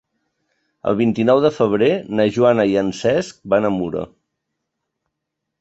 El vint-i-nou de febrer na Joana i en Cesc van a Mura.